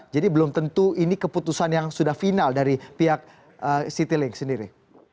jadi belum tentu ini keputusan yang sudah final dari pihak citylink sendiri